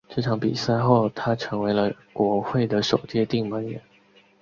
这场比赛后他成为了球会的首席定门员。